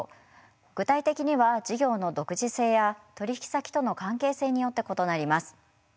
具体的には事業の独自性や取引先との関係性によって異なります。